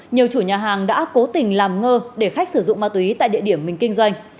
nhiều chủ nhà hàng đã cố tình làm ngơ để khách sử dụng ma túy tại địa điểm mình kinh doanh